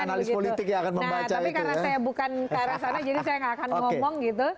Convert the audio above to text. nah tapi karena saya bukan ke arah sana jadi saya nggak akan ngomong gitu